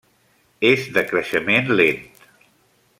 És de creixement lent.